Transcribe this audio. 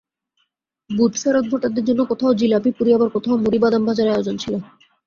বুথফেরত ভোটারদের জন্য কোথাও জিলাপি, পুরি, আবার কোথাও মুড়ি, বাদামভাজার আয়োজন ছিল।